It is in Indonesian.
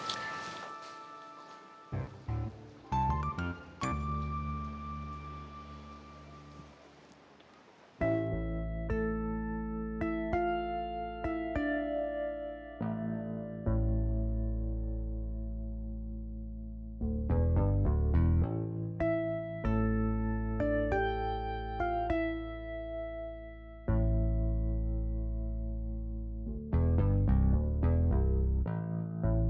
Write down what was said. harus nanti saja rekam sama sharing